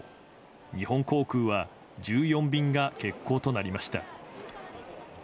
日本航空は１４便が欠航となりました。